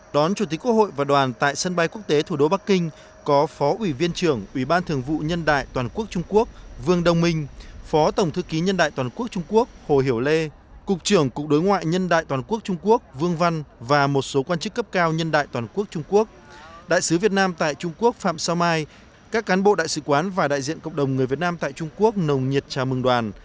đón chủ tịch quốc hội và đoàn tại sân bay quốc tế thủ đô bắc kinh có phó ủy viên trưởng ủy ban thường vụ nhân đại toàn quốc trung quốc vương đồng minh phó tổng thư ký nhân đại toàn quốc trung quốc hồ hiểu lê cục trưởng cục đối ngoại nhân đại toàn quốc trung quốc vương văn và một số quan chức cấp cao nhân đại toàn quốc trung quốc đại sứ việt nam tại trung quốc phạm sao mai các cán bộ đại sứ quán và đại diện cộng đồng người việt nam tại trung quốc nồng nhiệt trà mừng đoàn